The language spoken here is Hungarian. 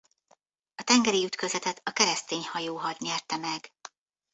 A tengeri ütközetet a keresztény hajóhad nyerte meg.